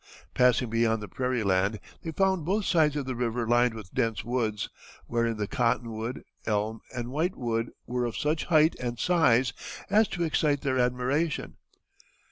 Passing beyond the prairie land, they found both sides of the river lined with dense woods, wherein the cottonwood, elm, and white wood were of such height and size as to excite their admiration.